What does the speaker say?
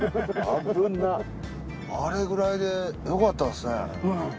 あれくらいでよかったですね。